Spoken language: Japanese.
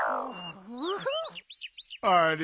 あれ。